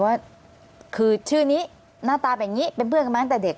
ว่าคือชื่อนี้หน้าตาแบบนี้เป็นเพื่อนกันมาตั้งแต่เด็ก